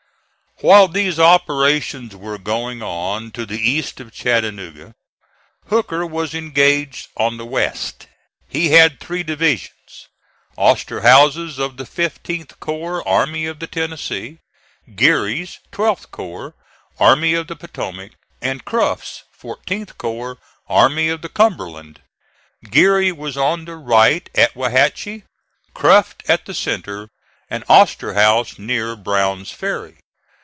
While these operations were going on to the east of Chattanooga, Hooker was engaged on the west. He had three divisions: Osterhaus's, of the 15th corps, Army of the Tennessee; Geary's, 12th corps, Army of the Potomac; and Cruft's, 14th corps, Army of the Cumberland. Geary was on the right at Wauhatchie, Cruft at the centre, and Osterhaus near Brown's Ferry.